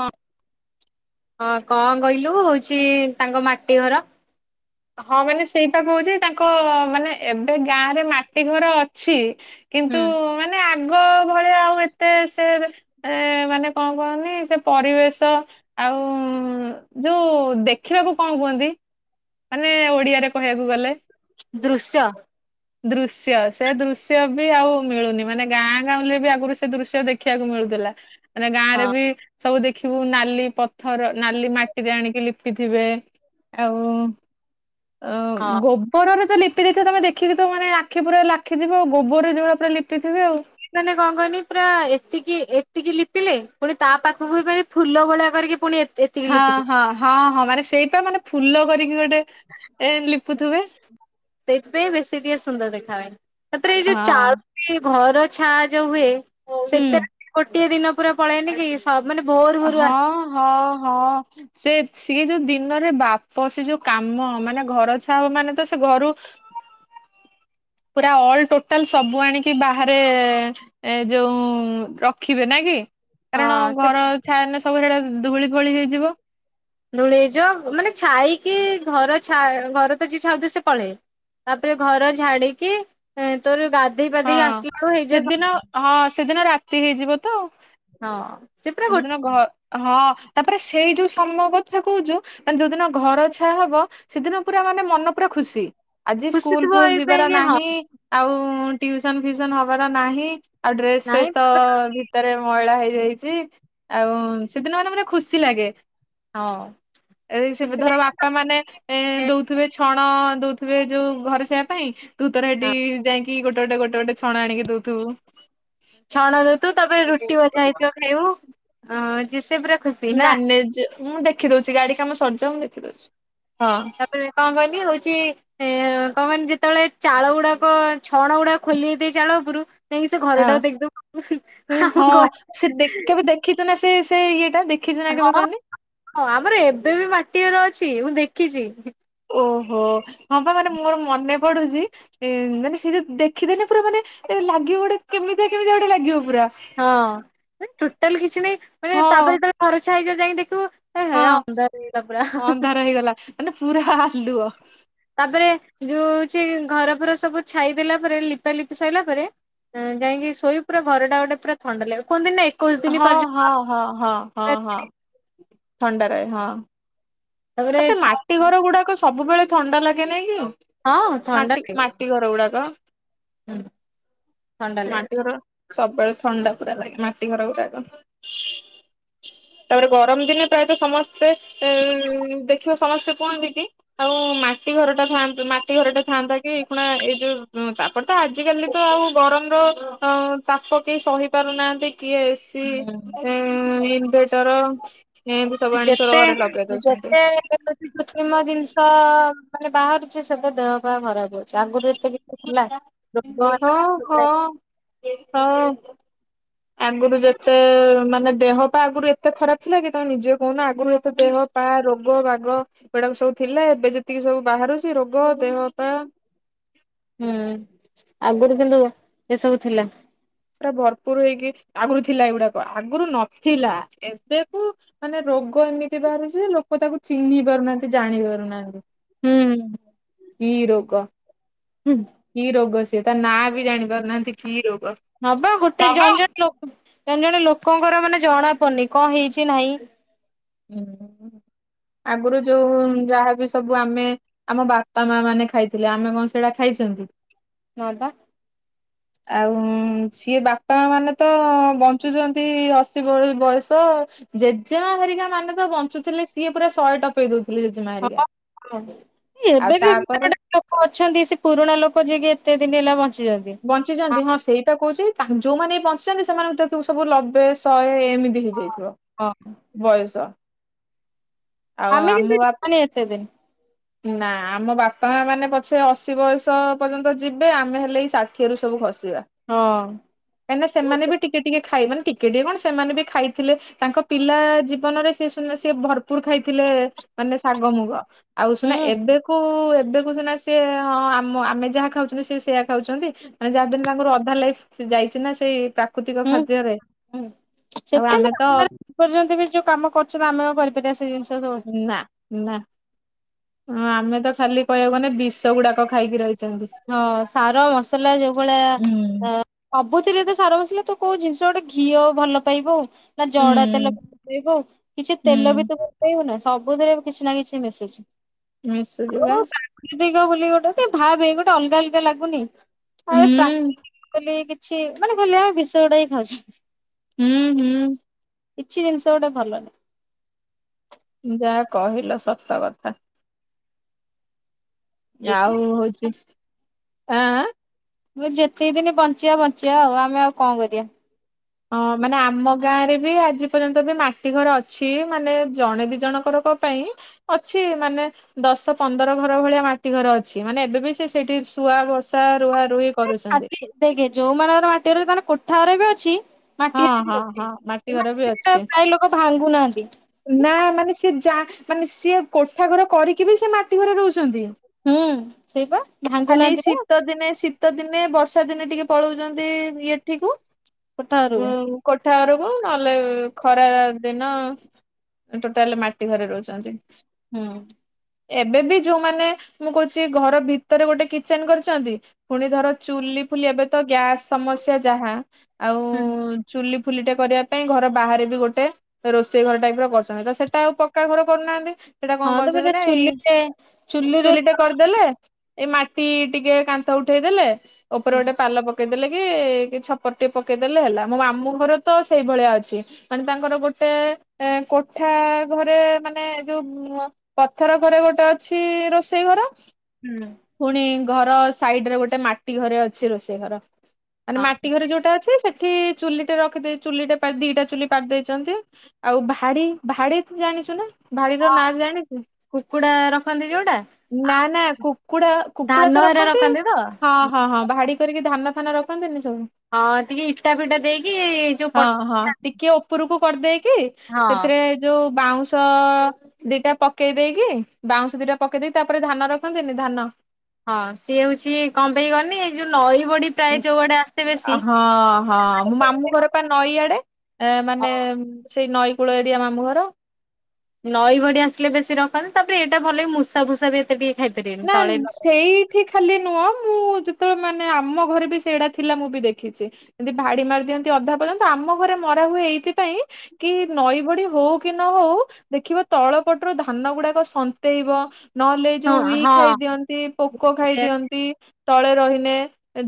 ହଁ। ହଁ କଣ କହିଲୁ ହଉଚି ତାଙ୍କ ମାଟି ଘର। ହଁ ମାନେ ସେଇଟା କହୁଛି ତାଙ୍କ ମାନେ ଏବେ ଗାଁ ରେ ମାଟି ଘର ଅଛି। କିନ୍ତୁ ହୁଁ ମାନେ ଆଗ ଭଳିଆ ଆଉ ଏତେ ସେ। ଏ ମାନେ କଣ କହନି ସେ ପରିବେଶ। ଆଉ ଯୋଉ ଦେଖିବାକୁ କଣ କୁହନ୍ତି। ମାନେ ଓଡିଆରେ କହିବାକୁ ଗଲେ। ଦୃଶ୍ୟ। ଦୃଶ୍ୟ ସେ ଦୃଶ୍ୟ ବି ଆଉ ମିଳୁନି ମାନେ ଗାଁ ଗାଁଉଲି ବି ଆଗରୁ ସେ ଦୃଶ୍ୟ ଦେଖିବାକୁ ମିଳୁଥିଲା। ରେ ଗାଁ ହଁ ରେ ବି। ସବୁ ଦେଖିବୁ ନାଲି ପଥର ନାଲି ମାଟିରେ ଆଣିକି ଲିପିଥିବେ ଆଉ ଅ ହଁ ଗୋବ ରରେ ତ ଲିପି ଦେଇଥିବେ ତମେ ଦେଖିକି ତ ମାନେ ଆଖି ପୁରା ଲାଖୀଯିବ ଆଉ ଗୋବରରେ ଯୋଭଳିଆ ପୁରା ଲିପିଥିବେ ଆଉ। ମାନେ କଣ କହନି ପୁରା ଏତିକି ଏତିକି ଲିପିଲେ ପୁଣି ତା ପାଖକୁ ବିଫେରି ଫୁଲ ଭଳିଆ କରିକି ପୁଣି ଏ ଏ ହଁ ହଁ ହଁ ହଁ ମାନେ ସେଇପା ମାନେ ଫୁଲ କରିକି ଗୋଟେ ଏ ଲିପୁଥୁବେ। ସେଇଥିପାଇଁ ବେଶୀ ଟିକେ ସୁନ୍ଦର ଦେଖା ହଏ ତାପରେ ଏଇ ଯୋଉ ହଁ। ଚାଳ କି ଘର ଛା ଯୋଉ ହୁଏ ହୁଁ ସେତେ ଗୋଟିଏ ଦିନ ପୁରା ପଳାଏନିକି ସ ହଁ ମାନେ ଭୋରୁ ହଁ ଆସ ହଁ ହଁ। ସେ ସିଏ ଯୋଉ ଦିନରେ ବାପ ସେ ଯୋଉ କାମ ମାନେ ଘର ଛାଆ ହବମାନେ ତ ସେ ଘରୁ ପୁରା ଅଲ୍ ଟୋଟାଲ ସବୁ ଆଣିକି ବାହାରେ ଏ ଯୋଉ ରଖିବେ ନା କି? କାରଣ ହଁ ସେ ଘର ଛାଆ ନେ ସବୁ ହେରା ଧୁଳି ଫୋଳି ହେଇଯିବ। ଧୂଳି ହେଇଯିବ ମାନେ ଛାଇକି ଘରଛା ଘର ତ ଯିଏ ଛାଉଥିବେ ସେ ପଳେଏ ତାପରେ ଘର ଝାଡିକି ଏ ତୋର ଗାଧେଇ ପାଧେଇ ହଁ ଆସିଲାକୁ ହେଇଯିବ ସେଦିନ ସ ହଁ ସେଦିନ ରାତି ହେଇଯିବ ତ। ହଁ। ସେ ପୁରା ଯଉ ଦିନ ଘ ଗୋଟେ ହଁ ତାପରେ ସେଇ ଯୋଉ ସମୟ କଥା କହୁଛୁ ମାନେ ଯୋଉଦିନ ଘର ଛାଆ ହବ ସେଦିନ ପୁରା ମାନେ ମନ ପୁରା ଖୁସି ଆଜି ଖୁସି ସ୍କୁଲ ଥିବ ଫୁଲ ଏଇ ପାଇଁ ଯିବାର କି ହଁ ନାହିଁ ଆଉ ଟୁଉସନ ଫିଉସନ ହବାର ନାହିଁ ଆଉ ଡ୍ରେସ ନାଇଁ ଫ୍ରେସ ତ ଭି ଭିତରେ ମଇଳା ହେଇଯାଇଛି ଆଉ ସେଦିନ ମାନେ ମାନେ ଖୁସି ଲାଗେ। ହଁ ଏଇ ସେବି ଖୁସି ଧର ବା ଲାଗିବ। ବାପା ମାନେ ଏ ତାପରେ ଦଉଥିବେ ଛଣ ଦଉଥିବେ ଯୋଉ ଘରେ ଛାଇବା ପାଇଁ ତୁ ତୋର ହଁ ହେଟିକି ଯାଇକି ଗୋଟେ ଗୋଟେ ଛଣ ଆଣିକି ଦଉଥୁବୁ। ଛଣ ଦଉ ଥିବୁ ତାପରେ ରୁଟି ଭଜା ହେଇଥିବ ଖାଇବୁ ଅ ଯେ ସେ ପୁରା ଖୁସି ନା ମ୍ୟାନେଜ ମୁଁ ଦେଖିଦଉଛି ଗାଡି କାମ ସରିଯାଉ ମୁଁ ଦେଖି ଦଉଛି ହଁ। ପରେ କଣ କହିଲି ହଉଛି ଏ କଣ କନି ଯେତେବେଳେ ଚାଳ ଗୁଡାକ ଛଣ ଗୁଡାକ ଖୋଲି ଦଇଥିବେ ଚାଳ ଉପୁରୁ ଯାଇକି ସେ ଘର ହଁ। ଟାକୁ ଦେଖିଦବୁ ଆମ ଘର [unintelligible] ଖିଛ ନା ସେ ସେ ଇଏଟା ଦେ ହଁ ହଁ ଆମର ଏବେ ବି ମାଟିଅର ଅଛି ମୁଁ ଦେଖିଛି। ଓହୋ ହଁ ପା ମାନେ ମୋର ମନେ ପଡୁଚି ଏ ମାନେ ସିଏ ଯଦି ଦେଖିଦେଲେ ପୁରା ମାନେ ଏ ଲାଗିବ ଗୋଟେ କେମିତିଆ କେମିତିଆ ଗୋଟେ ଲାଗିବ ପୁରା। ହଁ ଟୋଟାଲ କିଛି ନାଇଁ ମାନେ ତାପରେ ଯେତେବେଳେ ଘରଛାଆ ହେଇଯିବ ଯାଇକି ଦେଖିବୁ ଏ ହେ ଅନ୍ଧାର ହେଇଗଲା ପୁରା। ହଁଁ ଅନ୍ଧାର ହେଇଗଲା ମାନେ ପୁରା ଆଲୁଅ। ତାପରେ ଯୋଉ ହଉଛି ଘର ଫର ସବୁ ଛାଇ ଦେଲା ପରେ ଲିପା ଲିପି ସଇଲା ପରେ ଏ ଯାଇଁକି ଶୋଇବୁ ପୁରା ଘରଟା ଗୋଟେ ପୁରା ଥଣ୍ଡା ଲାଗିବ କୁହନ୍ତିନି ନା ଏ ହଁ ହଁ ହଁ ହଁ ହଁ ହଁ ଥଣ୍ଡା ରହେ ହଁ। ତାପରେ ତତେ ମାଟି ଛାଇ ଘର ଗୁଡାକ ସ ସବୁବେଳେ ଥଣ୍ଡା ଲାଗେ ନାଇଁ କି ହଁ ଥଣ୍ଡା ମାଟି ଲାଗେ ମାଟି ଘର ଗୁଡାକ? ହୁଁ ଥଣ୍ଡା ଲାଗେ। ମାଟି ଘର ସବୁବେଳେ ଥଣ୍ଡା ପୁରା ଲାଗେ ମାଟି ଘର ଗୁଡାକ। ତାପରେ ଗରମ ଦିନେ ପ୍ରାୟତଃ ସମସ୍ତେ ଉଁ ଦେଖିବ ସମସ୍ତେ କୁହନ୍ତି କି ଆଉ ମାଟି ଘର ଟା ଥାଆନ୍ତୁ ମାଟି ଘରଟା ଥାଆନ୍ତା କି ଏଖୁଣା ଏଇ ଯୋଉ ଉଁ ପା ପଟା ଆଜିିକାଲି ତ ଆଉ ଗରମର ଅ ତାପ କେହି ସହି ପାରୁନାହାନ୍ତି କିଏ ଶ୍ ତି ହୁଁ। ଏଁ ଇନଭେଟର ଏମତି ସବୁ ଆଣି ଯେତେ ଷର ଘରେ ଲଗେଇ ଦଉଛନ୍ତି। ଯେତେ କୃତ୍ରିମ ଜିନିଷ ମାନେ ବାହାରୁଛି ସେବେ ଦେହ ପା ଖରାପ ହଉଛି ଆଗରୁ ଏତେ ବି ହଁ ହଁ ହଁ। ଆଗୁରୁ ଯେତେ ମାନେ ଦେହ ପା ଆଗରୁ ଏତେ ଖରାପ ଥିଲା କି ତମେ ନିଜେ କହୁନ ଆଗରୁ ଏତେ ଦେହ ପା ରୋଗ ବାଗ ଏଗୁଡାକ ସବୁ ଥିଲା ଏବେ ଯେତିକି ସବୁ ବାହାରୁଛି ରୋଗ ଦେହ ପା ହୁଁ ଆଗରୁ କିନ୍ତୁ ଏସବୁ ଥିଲା। ପୁରା ଭରପୁର ହେଇକି ଆଗରୁ ଥିଲା ଏଇଗୁଡାକ ଆଗରୁ ନଥିଲା ଏବେକୁ। ମାନେ ରୋଗ ଏମିତି ବାହାରୁଛି ଲୋକ ତାକୁ ଚିହ୍ନି ପାରୁନାହାନ୍ତି ଜାଣି ପାରୁନାହାନ୍ତି। ହୁଁ। କି ରୋଗ? ହୁଁ। କି ରୋଗ ସିଏ ତା ନାଁ ବି ଜାଣି ପାରୁନାହାନ୍ତି କି ରୋଗ। ହଁ ବା ଗୋଟେ ଜଣେ ଜଣେ ଲୋକ ଜଣେ ଜଣେ ଲୋକଙ୍କର ମାନେ ଜଣା ପଡୁନି କଣ ହେଇଛି ନାହିଁ। ହୁଁ ଆଗରୁ ଯୋଉ ଯାହାବି ସବୁ ଆମେ। ଆମ ବାପା ମା ମାନେ ଖାଇଥିଲେ ଆମେ କଣ ସେଟା ଖାଇଛନ୍ତି। ହଁ ପା। ଆଉ ସିଏ ବାପା ମାନେ ତ ବଞ୍ଚୁଚନ୍ତି ଅଶୀ ବୟ ବୟସ। ଜେଜେମା ହେରିକା ମାନେ ତ ବଞ୍ଚୁଥିଲେ ସିଏ ପୁରା ଶହେ ଟପେଇ ଦଉଥିଲେ ଏ ହଁ ହ ଏବେ ବି ଅ ତାପରେ ଗ [inaudible] ଅଛନ୍ତି ସେ ପୁରୁଣା ଲୋକ ଯିଏକି ଏତେ ଦିନି ହେଲା ବଞ୍ଚିଚନ୍ତି। ବଞ୍ଚିଚନ୍ତି ହଁ ସେଇପା କହୁଛି ତା ଯୋଉମାନେ ବି ବଞ୍ଚିଚନ୍ତି ସେମାନଙ୍କୁ ଦେଖୁବୁ ସବୁ ଲବେ ଶହେ ଏମ୍ ହଁ ହେଇଯାଇଥିବ ହଁ ବୟସ। ଆଉ ଆମେ ଆମ କିନ୍ତୁ ବା [inaudible] ଏତେ ତେ ନା ଆମ ବାପା ମା ମାନେ ପଛେ ଅଶି ବୟସ ପର୍ଯ୍ୟନ୍ତ ଯିବେ ଆମେ ହେଲେ ଏଇ ଷାଠିଏ ରୁ ସବୁ ଖସିବା। ହଁ। କାଇନା ସେମାନେ ବି ହୁଁ ଟିକେ ଟିକେ ଖାଏ ମାନେ ଟିକେ ଟିକେ କଣ ସେମାନେ ବି ଖାଇଥିଲେ ତାଙ୍କ ପିଲା ଜୀବନରେ ସେ ସୁନା ଭରପୁର ଖାଇଥିଲେ ମାନେ ଶାଗ ମୁଗ। ଆଉ ସୁନା ଏବେକୁ ଏବେକୁ ସୁନା ସିଏ ହଁ ଆମ ଆମେ ଯାହା ଖାଉଛନ୍ତି ସେ ସେୟଆ ଖାଉଚନ୍ତି। ମାନେ ଯାହାବି ହେନେ ତାଙ୍କର ଅଧା ଲାଇଫ ଯାଇଛି ନା ସେଇ ପ୍ରା କୃତିକ ହୁଁ ଖାଦ୍ୟରେ ଆଉ ଆମେ ତ ଏପର୍ଯ୍ୟନ୍ତ ବି ଯୋଉ କାମ କରୁଚନ୍ତି ଆମେ ଆଉ କରିପାରିବା ସେ ଜିନଷ ସ ନା ନା ଆମେ ତ ଖାଲି କହିବାକୁ ଗନେ ବିଷ ଗୁଡାକ ଖାଇକି ରହି ହଁ ସାର ମସଲା ଯୋଉ ଭଳିଆ ଅ ହୁଁ। ସବୁତିରେ ତ ସାର ମସଲା ତୁ କୋଉ ଜିନିଷ ଗୋଟେ ଘିଅ ଭଲ ପାଇବୁ। ନା ଜଡା ତେଲ ହୁଁ ବୁ କିଛି ତେଲ ବି ତୁ ଫୁଟେଇବ ନା। ସବୁଥିରେ କିଛି ନା କିଛି ମିଶୁଛି। ମିଶୁଛି ବା ପ୍ରକୃତିିକ ବୋଲି ଗୋଟେ ଭାବେ ଗୋଟେ ଅଲଗା ଅଲଗା ଲାଗୁନି ଆ ଏ ପ୍ରା ହୁଁ କହିଲି କିଛି ମାନେ ମାନେ [unintelligible] ବିଷ ଗୁଡା ହିଁ ଖାଉଛେ। ହୁଁ ହୁଁ। କିଛି ଜିନିଷ ଗୋଟେ ଭଲ ନି। ଯାହା କହିଲ ସତ କଥା। ଆଉ ନାହିଁ। ହଉଛି ଆଁ ଆଁ ମୁଁ ଯେତିକି ଦିନି ବଞ୍ଚିବା ବଞ୍ଚିବା ଆଉ ଆମେ ଆଉ କଣ କରିବା। ଅଁ ମାନେ ଆମ ଗାଁ ରେ ବି ଆଜି ପର୍ଯ୍ୟନ୍ତ ବି ମାଟି ଘର ଅଛି ମାନେ ଜଣେ ଦି ଜଣଙ୍କର ଙ୍କ ପାଇଁ। ଅଛି ମାନେ ଦଶ ପନ୍ଦର ଘର ଭଳିଆ ମାଟି ଘର ଅଛି ମାନେ ଏବେ ବି ସେ ସେଠି ସୁଆ ବସା ରୁହା ରୁହି କରୁଛନ୍ତି ଆଟ୍ ଦେଖେ ଯୋଉମାନଙ୍କର ମାଟିରେ ତାଙ୍କ କୋଠା ଘର ବି ଅଛି ମାଟି ହଁ ଅ ହଁ ହଁ ବି ମାଟି ଘର ଅଛି। ପ୍ରାୟ ଲୋକ ଭାଙ୍ଗୁନାହାନ୍ତି। ନା ମାନେ ସେ ଯା ମାନେ ସିଏ କୋଠା ଘର କରିକି ବି ସେ ମାଟି ଘରେ ରହୁଛନ୍ତି। ହୁଁ ସେଇ ପା ଖାଲି ଭାଙ୍ଗୁନାହାନ୍ତିି ପା। ଶୀତ ଦିନେ ସି ଶୀତ ଦିନେ ବର୍ଷା ଦିନେ ଟିକେ ପଳଉଛନ୍ତି ଏଠିକୁ କଠାରୁ ଉଁ କୋଠା ଘରକୁ ନହେଲେ ଖରା ଦିନ ଟୋଟାଲ ମାଟି ଘରେ ରହୁଛନ୍ତି। ହୁଁ। ଏବେବି ଯୋଉମାନେ ମୁଁ କହୁଚି ଘର ଭିତରେ ଗୋଟେ କିଚେନ୍ କରିଛନ୍ତି। ପୁଣି ଧର ଚୁଲି ଫୁଲି ଏବେତ ଗ୍ୟାସ ସମସ୍ୟା ଯାହା ଆଉ ହୁଁ‌। ଚୁଲି ଫୁଲିଟେ କରିବା ପାଇଁ ଘର ବାହାରେ ବି ଗୋଟେ ରୋଷେଇ ଘର ଟାଇପ୍ ର କରୁଛନ୍ତି ତସେଟା ଆଉ ପକ୍କା ଘର କରୁନାହାନ୍ତି ସେଟା କଣ ହଁ ତ କରୁଛନ୍ତି ପୁରା ନା ଏଇ ଚୁଲିରେ ଚୁଲିରେ ଚୁଲିଟା କରିଦେଲେ ଏଇ ମାଟି ଟିକେ କାନ୍ଥ ଉଠେଇଦେଲେ ଉପରେ ହୁଁ। ଗୋଟେ ପାଲ ପ ପକେଇଦେଲେ କି କି ଛପର ଟିକେ ପକେଇଦେଲେ ହେଲା ମୋ ମାମୁଁ ଘର ତ ସେଇଭଳିଆ ଅଛି। ମାନେ ତାଙ୍କର ଗୋଟେ ଏ କୋଠା ଘରେ ମାନେ ଯୋଉ ଉଁ ପଥର ଘରେ ଗୋଟେ ଅଛି ରୋଷେଇ ଘର ହୁଁ। ଫୁଣି ଘର ସାଇଡ୍ ରେ ଗୋଟେ ମାଟି ଘରେ ଅଛି ରୋଷେଇ ଘର। ମାନେ ମାଟି ଘରେ ଯୋଉଟା ଅଛି ସେ ଏଠି ଚୁଲିଟେ ରଖିଦେଇ ଚୁଲିଟେ ଦିଟା ଚୁଲି ପାରି ଦେଇଛନ୍ତି ଆଉ ଭାଡ଼ି ଭାଡି ତୁ ଜାଣିଛୁ ନା ଭାଡିର ନାଁ ଜାଣିଛୁ? କୁକୁଡା ରଖନ୍ତି ଯୋଉଟା ନା ନା ଆଉ କୁକୁଡା କୁକୁଡା ଧାନ ତ ହେରା ରଖନ୍ତି ତ? ହଁ। ହଁ ହଁ ଭାଡ଼ି କରିକି ଧାନ ଫାନ ରଖନ୍ତିନି ସବୁ। ହଁ ଟିକେ ଇଟା ଫିଟା ଦେଇକି ଯୋଉ ହଁ ପ ହଁ ଟିକେ ଉପରକୁ କରିଦେଇକି ହଁ। ହେ ଯୋଉ ବାଉଁଶ ଦିଟା ପକେଇ ଦେଇକି ବାଉଁଶ ଦିଟା ପକେଇ ଦେଇ ତାପରେ ଧାନ ରଖନ୍ତିନି ଧାନ ହଁ ସିଏ ହଉଚି କଣ ପାଇଁ କହନି ଏଇ ଯୋଉ ନଈ ବଢ଼ି [inaudible] ହଁ। ହଁ ମୁଁ ମାମୁଁ ଘର ପା ନଈ ଆଡ଼େ ଏ ମାନେ ହଁ ସେଇ ନଈ କୂଳ ଏରିଆ ମାମୁଁ ଘର। ନଈ ବଢ଼ି ଆସିଲେ ବେଶୀ ରଖନ୍ତି ତାପରେ ଏଇଟା ଭଲ ମୂଷା ଫୁଷା ବି ଏତେ ଟି ନା ସେଇ ଏଠି ଖାଲି ନୁହଁ ମୁଁ ଯେତେବେଳେ ମାନେ ଆମ ଘରେ ବି ସେଇଡା ଥିଲା ମୁଁ ବି ଦେଖିଛି ଏମିତି ଭାଡି ମାରି ଦିଅନ୍ତି ଅଧା ପର୍ଯ୍ୟନ୍ତ ଆମ ଘରେ ମରାହୁଏ ଏଇଥିପାଇଁ କି ନଈ ବଢ଼ି ହଉ କି ନ ହଉ ଦେଖିବ ତଳ ପଟରୁ ଧାନ ଗୁଡାକ ସନ୍ତେଇବ, ନହେଲେ ଏ ହଁ ଯୋଉ ଉଈ ହଁ ଖାଇଦିଅନ୍ତି, ପୋକ ସେ ଖାଇଦିଅନ୍ତି ତଳେ ରହିନେ।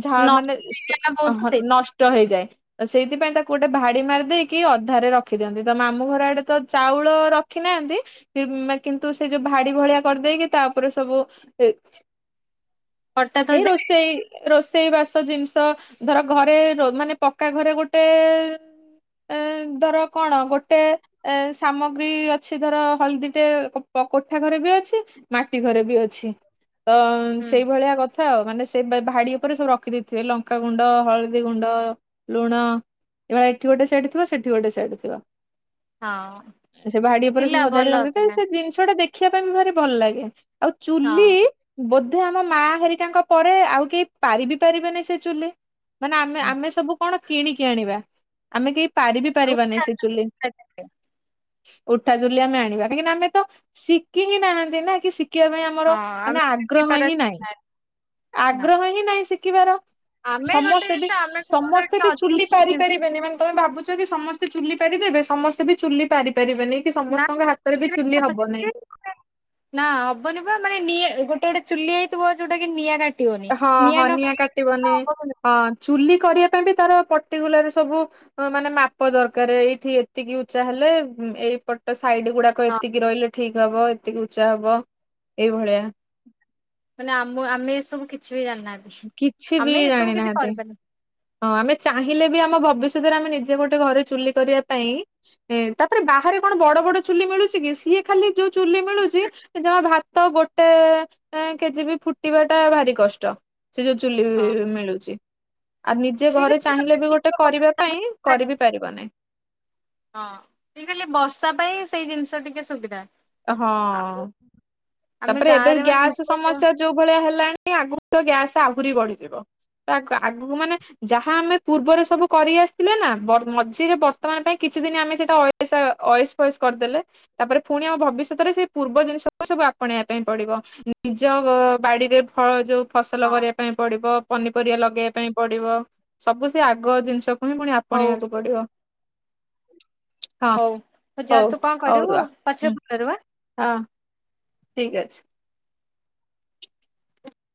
ଝାହା ନଈ ମାନେ ସ ହେଇଗଲା ବହୁତ ସେଇ ନଷ୍ଟ ହେଇଯାଏ। ସେଇଥିପାଇଁ ତାକୁ ଗୋଟେ ଭାଡି ମାରି ଦେଇକି ଅଧାରେ ରଖିଦିଅନ୍ତି ତ ମାମୁଁ ଘର ଆଡେ ତ ଚାଉଳ ର ରଖି ନାହାନ୍ତି କିନ୍ତୁ ସେ ଯୋଉ ଭାଡି ଭଳିଆ କରିଦେଇକି ତା ଉପରେ ସବୁ ଏ ହଠାତ୍ ଏଇ ଥୋଇଦେବେ ରୋଷେଇ। ରୋଷେଇ ବାସ ଜିନିଷ ଧର ଘରେ ମାନେ ପକ୍କା ଘରେ ଗୋଟେ ଏ ଧର କଣ ଗୋଟେ ଏ ସାମଗ୍ରୀ ଅଛି ଧର ହଳଦୀଟେ କୋଠା ଘରେ ବି ଅଛି ମାଟି ଘରେ ବି ଅଛି। ଛି ତ ହୁଁ ସେଇଭଳିଆ କଥା। କଥା ଆଉ ମାନେ ସେ ଭାଡି ଉପରେ ସବୁ ରଖିଦେଇଥିବେ ଲଙ୍କାଗୁଣ୍ଡ, ହଳଦୀ ଗୁଣ୍ଡ, ଲୁଣ। ଏଭଳି ଏଠି ଗୋଟେ ସେଇଟି ଥିବ ସେଠି ଗୋଟେ ସେଇଟି ଥିବ। ହଁ ସେ ଭାଡି ଉପରେ ସବୁ ଥିଲା ସଜାଡି ଭଲ ରଖିଥିବେ ତ ଥିଲା ସେ ଜିନିଷଟା ଦେଖିବା ପାଇଁ ବି ଭାରି ଭଲ ଲାଗେ। ଆଉ ହଁ ଚୁଲି ଆଉ ବୋଧେ ଆମ ମା ହେରିକାଙ୍କ ପରେ ଆଉ କେହି ପାରିିବି ପାରିବେନି ସେ ଚୁଲି। ମାନେ ଆମେ ଆମେ ସବୁ କଣ କିଣିକି ଆଣିବା? ଆମେ କେହି ପାରିବି ପାରିବାନି ଉଠା ସେ ଚୁଲି। ଚକଟା ଉଠା ଚୁଲି ଆମେ ଆଣିବା କାହିଁକିନା ଆମେ ତ ଶିଖିଁ ନାହାନ୍ତି ନା କି ଶିଖିବା ପାଇଁମ ର ହଁ ମାନେ ଆମେ ସେମିତି ଆଗ୍ରହ ହିଁ ନାହିଁ ପାରାସିଟା ନା ଆଗ୍ରହ ହିଁ ନାହିଁ ଶିଖିବାର। ଆମେ ଗୋଟେ ସମସ୍ତେ ବି ଜିନିଷ ଆମେ ଗୋଟେ ସମସ୍ତେ ଟିକେ ବି ଅଧିକ ଚୁଲି ସୁବିଧା ପାରିପାରିବେନି ମାନେ ତମେ ଭାବୁଛ କି ସମସ୍ତେ ଚୁଲି ପାରିପାରିବେ ସମସ୍ତେ ବି ଚୁଲି ପାରିପାରିବେନି। କି ନା ସମସ୍ତଙ୍କ ହାତରେ ବି ଚୁଲି ହବ ନାହିଁ। ନା ହବନି ବା ମାନେ ଡିଏ ଗୋଟେ ଗୋଟେ ଚୁଲି ହେଇଥିବ ଯୋଉଟା କି ନିଆଁ କାଟି ହଁ ନିଆଁ କାଟିବନି ହଁ ଚୁଲି କରିବା ପାଇଁ ବି ତାର ପର୍ଟିକୁଲାର ସବୁ ମାନେ ମାପ ଦରକାର ଏଇଠି ଏତିକି ଉଚା ହେଲେ ଏଇ ତା ସାଇଡ ଗୁଡାକ ହଁ ଏତିକି ରହିଲେ ଠିକ ହବ ଏତିକି ଉଚ୍ଚା ହବ ଏଇଭଳିଆ। ମାନେ ଆମ ଆମେ ଏସବୁ କିଛି ବି ଜାଣିନାହାନ୍ତି, କିଛି ବି ଆମେ ଏସବୁ କିଛି ଜାଣିନାହାନ୍ତି। କରିପାରିବାନି। ହଁ, ଆମେ ଚାହିଁଲେ ବି ଆମ ଭବିଷ୍ୟତରେ ଆମେ ନିଜେ ଗୋଟେ ଘରେ ଚୁଲି କରିବା ପାଇଁ ତାପରେ ବାହାରେ କଣ ବଡ ବଡ ଚୁଲି ମିଳୁଛି କି ସିଏ ଖାଲି ଯୋଉ ଚୁଲି ମିଳୁଛି ଯମା ଭାତ ଗୋଟେ କେଜି ବି ଫୁଟିବାଟା ଭାରି କଷ୍ଟ। ସେ ଯୋଉ ଚୁଲି ହଁ ବି ମିଳୁଛି। ଆଉ ନିଜେ ଠିକ ଘରେ ଅଛି ଚାହିଁଲେ ମାନେ ବି ଗୋଟେ ଟିକେ କରିବା ବର୍ଷା ହଁ ପାଇଁ କରିିବି ପାରିବନାହିଁ। ହଁ ମୁଁ କହିଲି ବର୍ଷା ପାଇଁ ସେଇ ଜିନିଷ ଟିକେ ସୁବିଧା। ଆଉ ହଁ, ଆମେ ତାପରେ ଏବେ ଗାଁରେ ମାନେ ଗ୍ୟାଶ୍ ନିଜେ ହଁ ସମସ୍ୟା। ଯୋଉ ଭଳିଆ ହେଲାଣି ଆଗକୁ ତ ଗ୍ୟାସ୍ ଆହୁରି ବଢିଯିବ ଆଗକୁ ମାନେ ଯାହା ଆମେ ପୂର୍ବରେ ସବୁ କରି ଆସିଥିଲେ ନା ମଝିରେ ବର୍ତ୍ତମାନ ପାଇଁ କିଛି ଦିନ ଆମେ ସେଇଟା ଅ ଅଏସ୍ ଫଏସ୍ କରିଦେଲେ ତାପରେ ପୁଣି ଆଉ ଭ ଭବିଷ୍ୟତରେ ସେ ପୂର୍ବ ଜିନିଷ ସବୁ ଆପଣେଇବା ପାଇଁ ପଡିବ ନିଜ ବାଡିରେ ଫଳ ଯୋଉ ଫସଲ କରିବା ପାଇଁ ପଡିବ ପନିପରିବା ଲଗେଇବା ପାଇଁ ପଡିବ ସବୁ ସେ ଆଗ ଜିନିଷ। କୁମେ ପୁଣି ଆପଣେଇ ହଉ ବାକୁ ପଡିବ। ହଁ। ହଉ ଯା ହଉ ତୁ କଣ ହଉ କରିବୁ ରୁହ ହୁଁ। ପଛେ ପର ବା ହଁ। ଠିକ୍ ଅଛି।